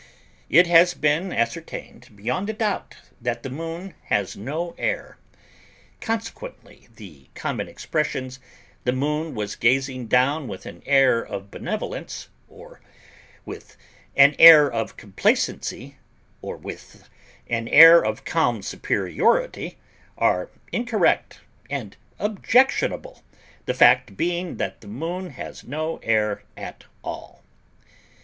It has been ascertained beyond a doubt that the Moon has no air. Consequently, the common expressions, "the Moon was gazing down with an air of benevolence," or with "an air of complacency," or with "an air of calm superiority," are incorrect and objectionable, the fact being that the Moon has no air at all.